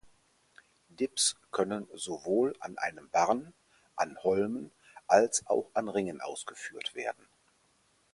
Dips können sowohl an einem Barren, an Holmen als auch an Ringen ausgeführt werden.